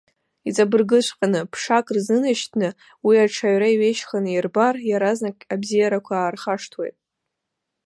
Иҵабыргыҵәҟьаны, ԥшак рзынашьҭны, уи аҽаҩра иҩеижьханы ирбар, иаразнак абзиарақәа аархашҭуеит.